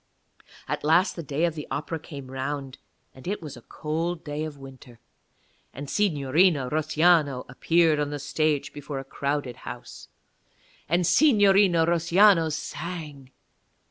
At last the day of the Opera came round, and it was a cold day of the winter. And Signorina Russiano appeared on the stage before a crowded house. And Signorina Russiano sang.